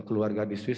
keluarga yang dfi